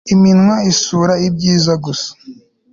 Iminwa isura ibyiza gusa